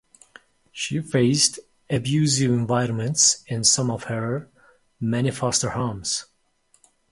She faced abusive environments in some of her many foster homes.